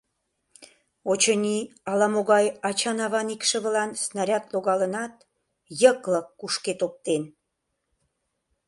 Очыни, ала-могай ачан-аван икшывылан снаряд логалынат, йыклык кушкед оптен.